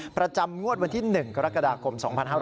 ประจำงวดวันที่๑กรกฎาคม๒๕๖๐